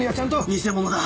偽物だ。